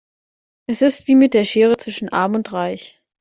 Es ist wie mit der Schere zwischen arm und reich.